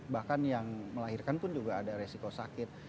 bahkan yang melahirkan pun juga ada resiko sakit